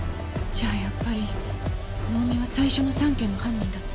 じゃあやっぱり能見は最初の３件の犯人だった。